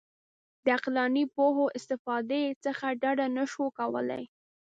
د عقلاني پوهو استفادې څخه ډډه نه شو کولای.